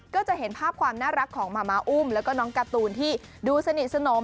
ก็จะเห็นภาพความน่ารักของหมาม้าอุ้มแล้วก็น้องการ์ตูนที่ดูสนิทสนม